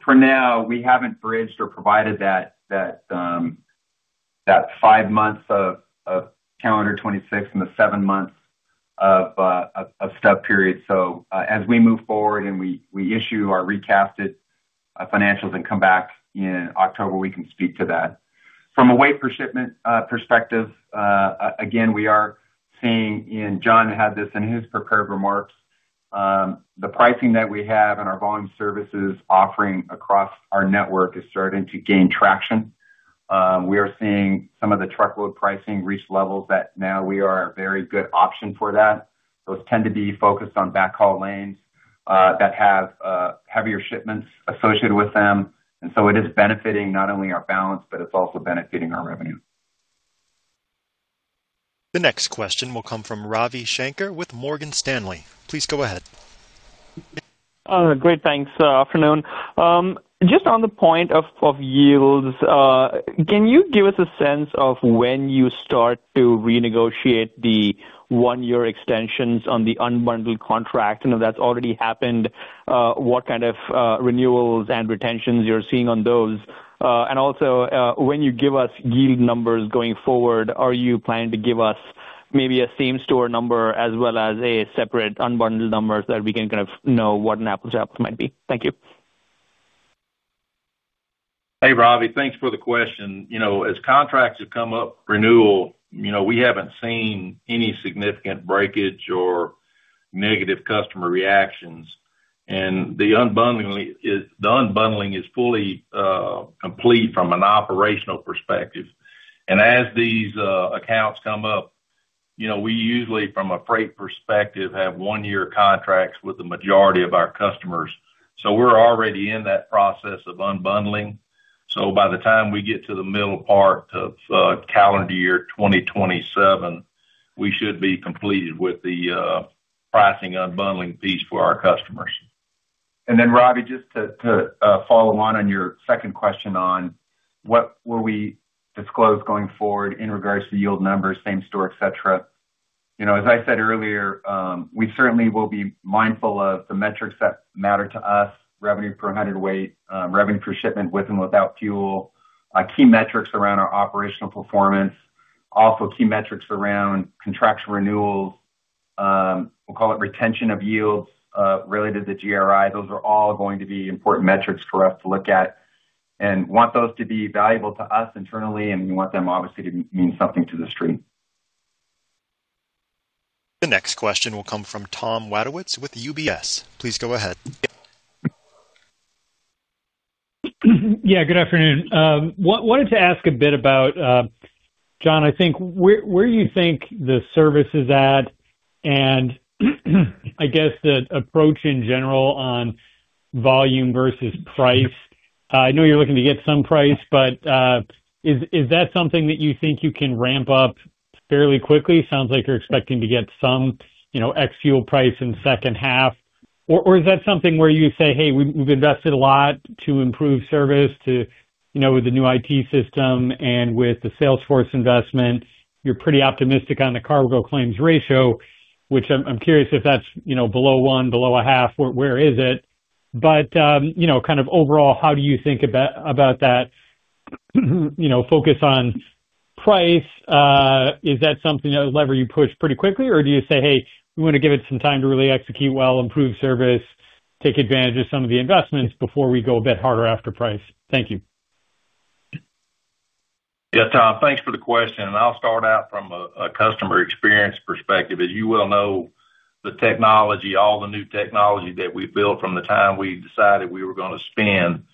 for now, we haven't bridged or provided that five months of calendar 2026 and the seven months of stub period. As we move forward and we issue our recasted financials and come back in October, we can speak to that. From a weight per shipment perspective, again, we are seeing, and John had this in his prepared remarks, the pricing that we have in our volume services offering across our network is starting to gain traction. We are seeing some of the truckload pricing reach levels that now we are a very good option for that. Those tend to be focused on backhaul lanes that have heavier shipments associated with them. It is benefiting not only our balance, but it is also benefiting our revenue. The next question will come from Ravi Shanker with Morgan Stanley. Please go ahead. Great. Thanks. Afternoon. Just on the point of yields, can you give us a sense of when you start to renegotiate the one-year extensions on the unbundled contract? I know that's already happened. What kind of renewals and retentions you're seeing on those? Also, when you give us yield numbers going forward, are you planning to give us maybe a same-store number as well as a separate unbundled number so that we can kind of know what an apple to apples might be? Thank you. Hey, Ravi. Thanks for the question. As contracts have come up renewal, we haven't seen any significant breakage or negative customer reactions. The unbundling is fully complete from an operational perspective. As these accounts come up, we usually, from a freight perspective, have one-year contracts with the majority of our customers. We're already in that process of unbundling. By the time we get to the middle part of calendar year 2027, we should be completed with the pricing unbundling piece for our customers. Ravi, just to follow on your second question on what will we disclose going forward in regards to yield numbers, same-store, et cetera. As I said earlier, we certainly will be mindful of the metrics that matter to us, revenue per hundredweight, revenue per shipment with and without fuel. Key metrics around our operational performance. Also, key metrics around contractual renewals. We'll call it retention of yields related to GRI. Those are all going to be important metrics for us to look at and want those to be valuable to us internally, and we want them obviously to mean something to The Street. The next question will come from Thomas Wadewitz with UBS. Please go ahead. Yeah, good afternoon. Wanted to ask a bit about, John, I think, where you think the service is at and I guess the approach in general on volume versus price. I know you're looking to get some price, is that something that you think you can ramp up fairly quickly? Sounds like you're expecting to get some ex-fuel price in the second half. Is that something where you say, "Hey, we've invested a lot to improve service with the new IT system and with the Salesforce investment." You're pretty optimistic on the cargo claims ratio, which I'm curious if that's below one, below a half. Where is it? Kind of overall, how do you think about that focus on price? Is that something, that lever you push pretty quickly, do you say, "Hey, we want to give it some time to really execute well, improve service, take advantage of some of the investments before we go a bit harder after price"? Thank you. Yeah. Tom, thanks for the question, I'll start out from a customer experience perspective. As you well know, the technology, all the new technology that we've built from the time we decided we were going to spin,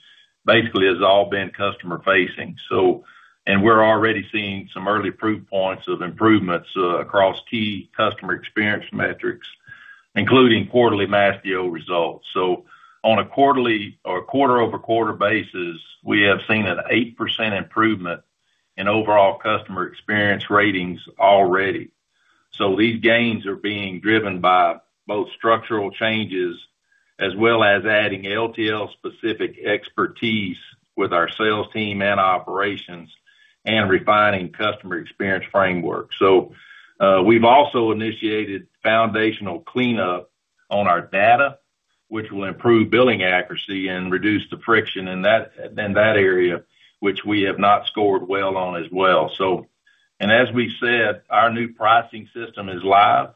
basically has all been customer-facing. We're already seeing some early proof points of improvements across key customer experience metrics, including quarterly Mastio results. On a quarterly or quarter-over-quarter basis, we have seen an 8% improvement in overall customer experience ratings already. These gains are being driven by both structural changes as well as adding LTL specific expertise with our sales team and operations and refining customer experience framework. We've also initiated foundational cleanup on our data, which will improve billing accuracy and reduce the friction in that area, which we have not scored well on as well. As we said, our new pricing system is live.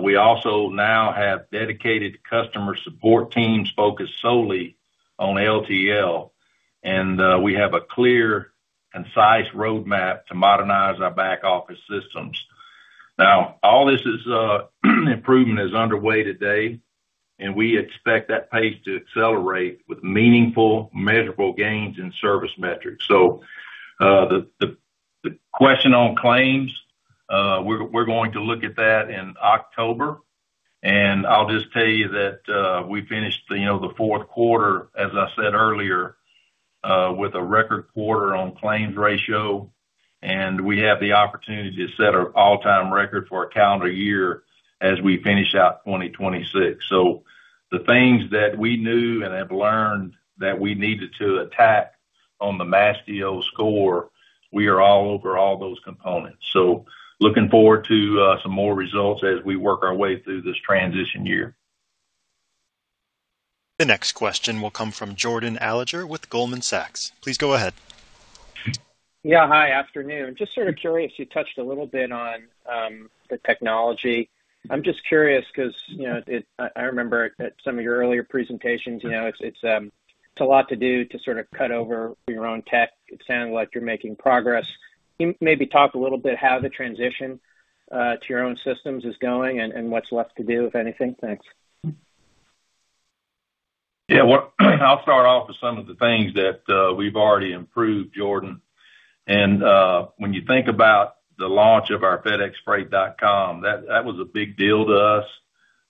We also now have dedicated customer support teams focused solely on LTL, we have a clear, concise roadmap to modernize our back office systems. All this is improvement is underway today, we expect that pace to accelerate with meaningful, measurable gains in service metrics. The question on claims, we're going to look at that in October. I'll just tell you that we finished the fourth quarter, as I said earlier, with a record quarter on claims ratio, we have the opportunity to set an all-time record for a calendar year as we finish out 2026. The things that we knew and have learned that we needed to attack on the Mastio score, we are all over all those components. Looking forward to some more results as we work our way through this transition year. The next question will come from Jordan Alliger with Goldman Sachs. Please go ahead. Yeah. Hi. Afternoon. Sort of curious, you touched a little bit on the technology. I'm just curious because I remember at some of your earlier presentations, it's a lot to do to sort of cut over your own tech. It sounded like you're making progress. Can you maybe talk a little bit how the transition to your own systems is going and what's left to do, if anything? Thanks. Yeah. I'll start off with some of the things that we've already improved, Jordan. When you think about the launch of our fedexfreight.com, that was a big deal to us.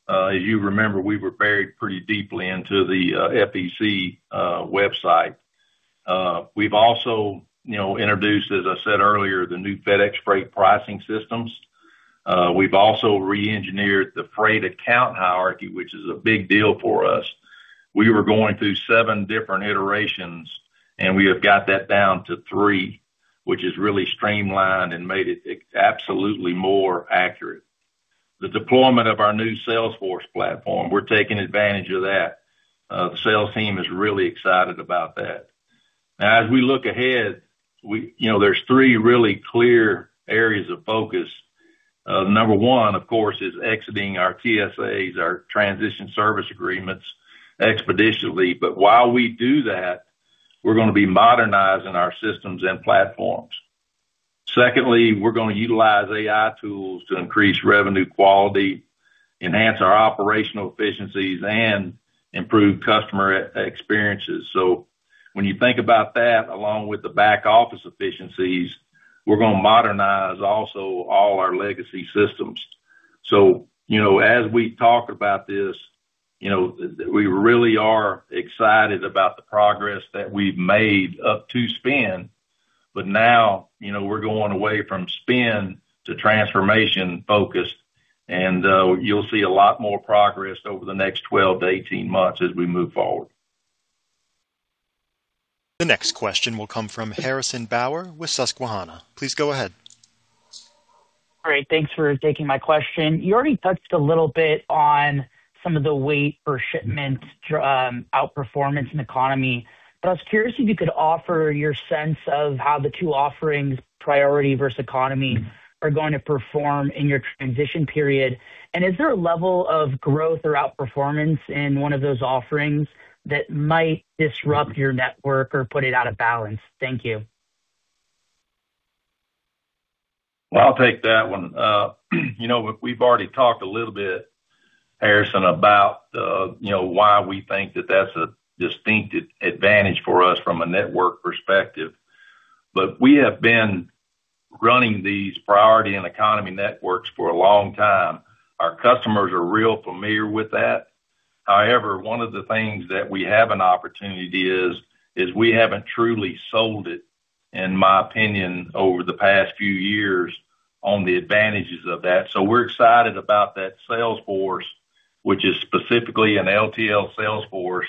If you remember, we were buried pretty deeply into the FedEx Corp. website. We've also introduced, as I said earlier, the new FedEx Freight pricing systems. We've also re-engineered the freight account hierarchy, which is a big deal for us. We were going through seven different iterations, and we have got that down to three, which has really streamlined and made it absolutely more accurate. The deployment of our new Salesforce platform, we're taking advantage of that. The sales team is really excited about that. As we look ahead, there's three really clear areas of focus. Number one, of course, is exiting our TSAs, our Transition Service Agreements, expeditiously. While we do that, we're going to be modernizing our systems and platforms. Secondly, we're going to utilize AI tools to increase revenue quality, enhance our operational efficiencies, and improve customer experiences. When you think about that, along with the back office efficiencies, we're going to modernize also all our legacy systems. As we talk about this, we really are excited about the progress that we've made up to spin. Now, we're going away from spin to transformation focus, and you'll see a lot more progress over the next 12 to 18 months as we move forward. The next question will come from Harrison Bauer with Susquehanna. Please go ahead. Great. Thanks for taking my question. You already touched a little bit on some of the weight for shipments outperformance in Economy. I was curious if you could offer your sense of how the two offerings, Priority versus Economy, are going to perform in your transition period. Is there a level of growth or outperformance in one of those offerings that might disrupt your network or put it out of balance? Thank you. Well, I'll take that one. We've already talked a little bit, Harrison, about why we think that that's a distinct advantage for us from a network perspective. We have been running these Priority and Economy networks for a long time. Our customers are real familiar with that. However, one of the things that we have an opportunity is we haven't truly sold it, in my opinion, over the past few years on the advantages of that. We're excited about that sales force, which is specifically an LTL sales force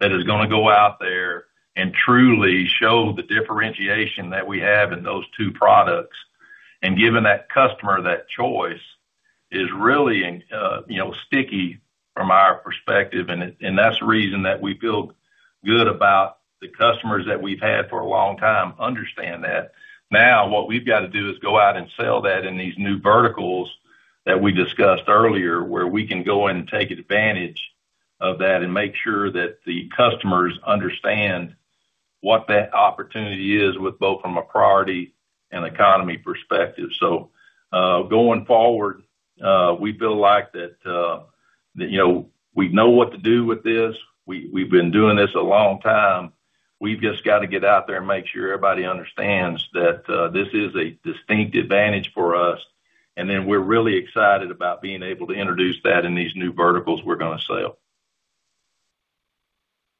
that is going to go out there and truly show the differentiation that we have in those two products. Giving that customer that choice is really sticky from our perspective, and that's the reason that we feel good about the customers that we've had for a long time understand that. Now what we've got to do is go out and sell that in these new verticals that we discussed earlier, where we can go in and take advantage of that and make sure that the customers understand what that opportunity is with both from a Priority and Economy perspective. Going forward, we feel like that we know what to do with this. We've been doing this a long time. We've just got to get out there and make sure everybody understands that this is a distinct advantage for us, and then we're really excited about being able to introduce that in these new verticals we're going to sell.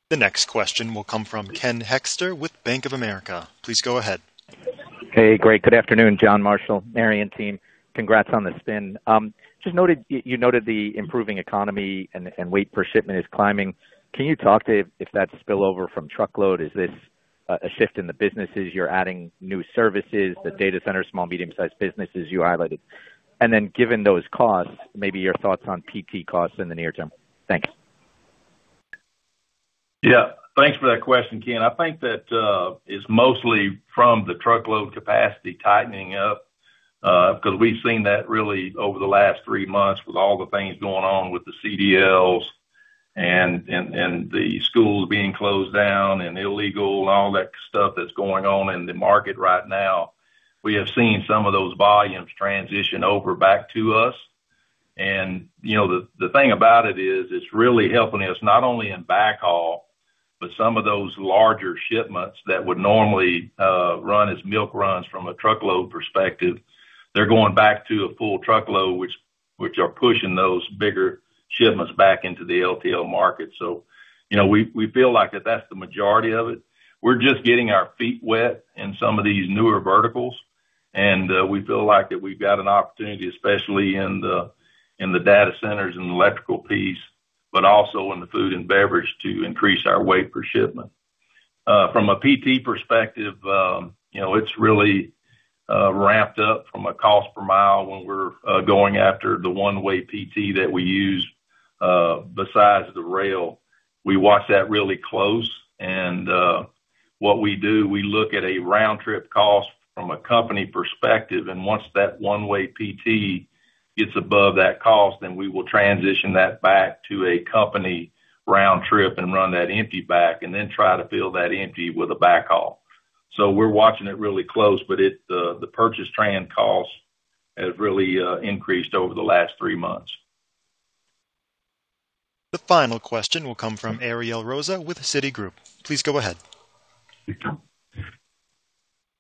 The next question will come from Ken Hoexter with Bank of America. Please go ahead. Hey, great. Good afternoon, John, Marshall, Mary, and team. Congrats on the spin. You noted the improving economy and weight per shipment is climbing. Can you talk to if that's spillover from truckload? Is this a shift in the businesses? You're adding new services, the data center, small, medium-sized businesses you highlighted. Given those costs, maybe your thoughts on PT costs in the near term. Thanks. Yeah. Thanks for that question, Ken. I think that it's mostly from the truckload capacity tightening up, because we've seen that really over the last three months with all the things going on with the CDLs and the schools being closed down and illegal and all that stuff that's going on in the market right now. We have seen some of those volumes transition over back to us. The thing about it is, it's really helping us not only in backhaul, but some of those larger shipments that would normally run as milk runs from a truckload perspective. They're going back to a full truckload, which are pushing those bigger shipments back into the LTL market. We feel like that that's the majority of it. We're just getting our feet wet in some of these newer verticals, and we feel like that we've got an opportunity, especially in the data centers and electrical piece, but also in the food and beverage to increase our weight per shipment. From a PT perspective, it's really ramped up from a cost per mile when we're going after the one-way PT that we use besides the rail. We watch that really close. What we do, we look at a round trip cost from a company perspective, and once that one-way PT gets above that cost, then we will transition that back to a company round trip and run that empty back, and then try to fill that empty with a backhaul. We're watching it really close, but the purchased transportation costs have really increased over the last three months. The final question will come from Ariel Rosa with Citigroup. Please go ahead.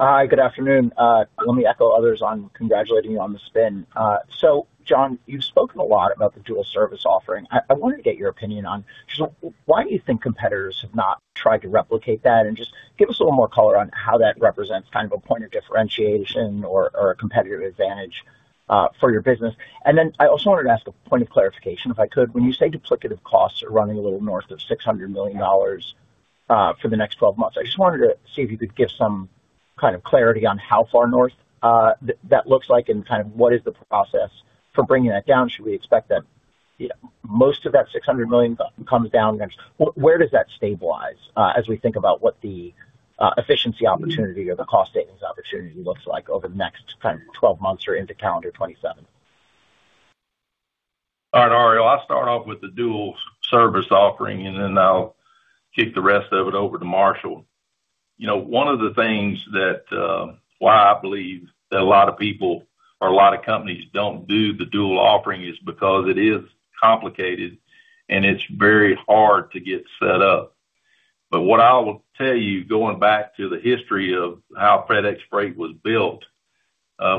Hi, good afternoon. Let me echo others on congratulating you on the spin. John, you've spoken a lot about the dual service offering. I wanted to get your opinion on just why you think competitors have not tried to replicate that, and just give us a little more color on how that represents kind of a point of differentiation or a competitive advantage for your business. I also wanted to ask a point of clarification, if I could. When you say duplicative costs are running a little north of $600 million for the next 12 months, I just wanted to see if you could give some kind of clarity on how far north that looks like and what is the process for bringing that down. Should we expect that most of that $600 million comes down next? Where does that stabilize as we think about what the efficiency opportunity or the cost savings opportunity looks like over the next 12 months or into calendar 2027? All right, Ariel, I'll start off with the dual service offering, I'll kick the rest of it over to Marshall. One of the things that why I believe that a lot of people or a lot of companies don't do the dual offering is because it is complicated, and it's very hard to get set up. What I will tell you, going back to the history of how FedEx Freight was built,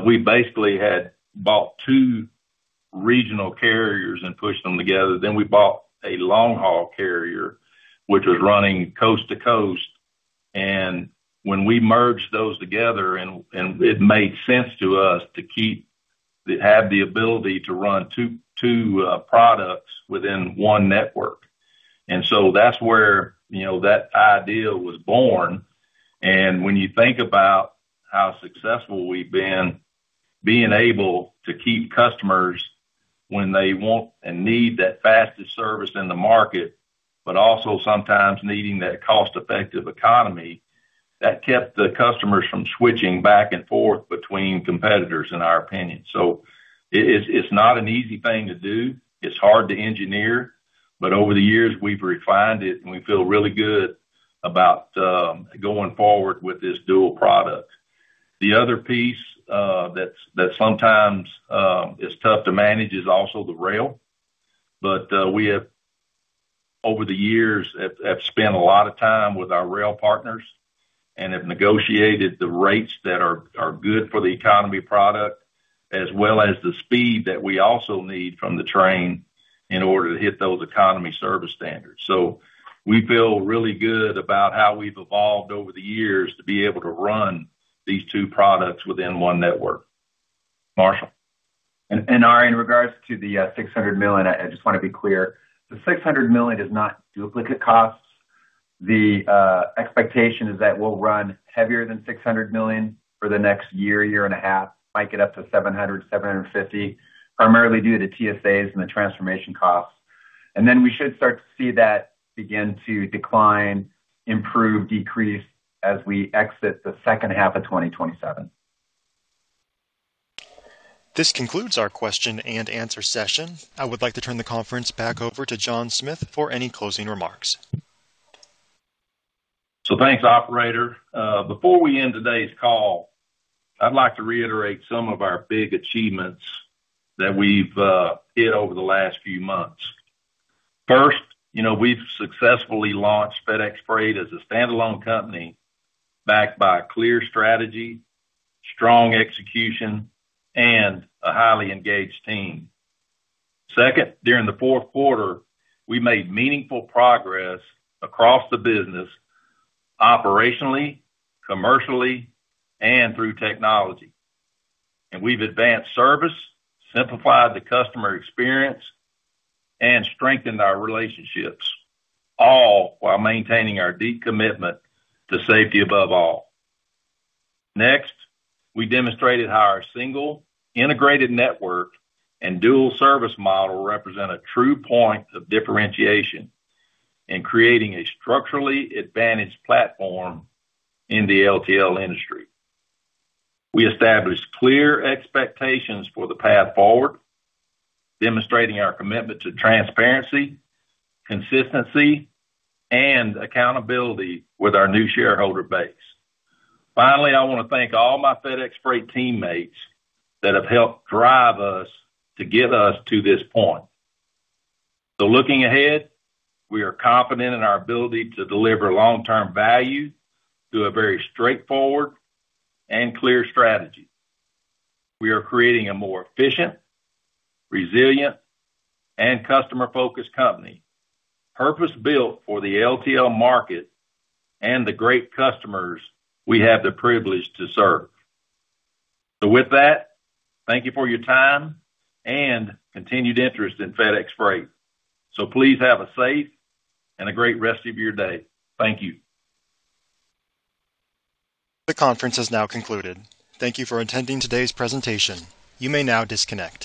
we basically had bought two regional carriers and pushed them together. We bought a long-haul carrier, which was running coast to coast. When we merged those together, it made sense to us to have the ability to run two products within one network. That's where that idea was born. When you think about how successful we've been, being able to keep customers when they want and need that fastest service in the market, but also sometimes needing that cost-effective Economy product, that kept the customers from switching back and forth between competitors, in our opinion. It's not an easy thing to do. It's hard to engineer. Over the years, we've refined it, and we feel really good about going forward with this dual product. The other piece that sometimes is tough to manage is also the rail. We have, over the years, have spent a lot of time with our rail partners and have negotiated the rates that are good for the Economy product, as well as the speed that we also need from the train in order to hit those Economy service standards. We feel really good about how we've evolved over the years to be able to run these two products within one network. Marshall. Ari, in regards to the $600 million, I just want to be clear. The $600 million is not duplicate costs. The expectation is that we'll run heavier than $600 million for the next year and a half, might get up to $700 million, $750 million, primarily due to TSAs and the transformation costs. Then we should start to see that begin to decline, improve, decrease as we exit the second half of 2027. This concludes our question and answer session. I would like to turn the conference back over to John Smith for any closing remarks. Thanks, operator. Before we end today's call, I'd like to reiterate some of our big achievements that we've hit over the last few months. First, we've successfully launched FedEx Freight as a standalone company backed by a clear strategy, strong execution, and a highly engaged team. Second, during the fourth quarter, we made meaningful progress across the business operationally, commercially, and through technology. We've advanced service, simplified the customer experience, and strengthened our relationships, all while maintaining our deep commitment to safety above all. Next, we demonstrated how our single integrated network and dual service model represent a true point of differentiation in creating a structurally advantaged platform in the LTL industry. We established clear expectations for the path forward, demonstrating our commitment to transparency, consistency, and accountability with our new shareholder base. Finally, I want to thank all my FedEx Freight teammates that have helped drive us to get us to this point. Looking ahead, we are confident in our ability to deliver long-term value through a very straightforward and clear strategy. We are creating a more efficient, resilient, and customer-focused company, purpose-built for the LTL market and the great customers we have the privilege to serve. With that, thank you for your time and continued interest in FedEx Freight. Please have a safe and a great rest of your day. Thank you. The conference has now concluded. Thank you for attending today's presentation. You may now disconnect.